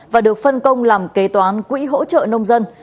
và được phân công làm kế toán quỹ hỗ trợ nông dân